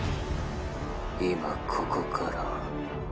今ここから。